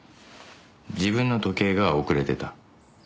自分の時計が遅れてた。